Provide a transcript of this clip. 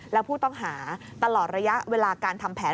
และผู้ต้องหาตลอดระยะเวลาการทำแผน